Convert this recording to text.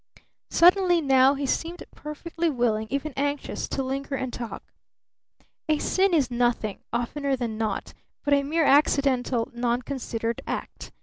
Suddenly now he seemed perfectly willing, even anxious, to linger and talk. "A sin is nothing, oftener than not, but a mere accidental, non considered act!